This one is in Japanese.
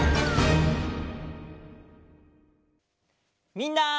みんな。